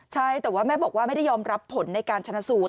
ใช่แต่ว่าแม่บอกว่าไม่ได้ยอมรับผลในการชนะสูตร